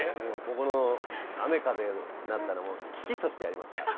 ここの雨風になったらもう喜々としてやりますから。